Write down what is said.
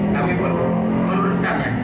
kami perlu meluruskannya